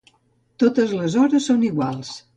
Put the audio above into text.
Totes les hores són iguals.